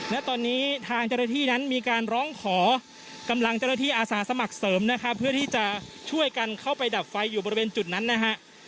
และตอนนี้ทางเจ้าหน้าที่นั้นมีการร้องขอกำลังเจ้าหน้าที่อาสาสมัครเสริมนะครับเพื่อที่จะช่วยกันเข้าไปดับไฟอยู่บริเวณจุดนั้นนะฮะ